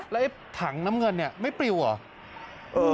แล้วถังน้ำเงินไม่ปริวเหรอ